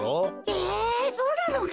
えそうなのか？